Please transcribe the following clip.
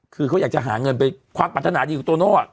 คือเขาอยากจะหาเงินไปความปรัฐนาดีของโตโน่